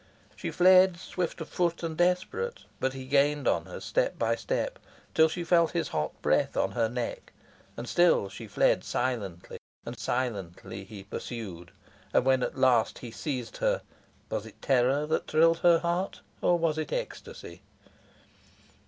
She fled, swift of foot and desperate, but he gained on her step by step, till she felt his hot breath on her neck; and still she fled silently, and silently he pursued, and when at last he seized her was it terror that thrilled her heart or was it ecstasy?